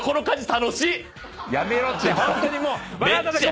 やめろって！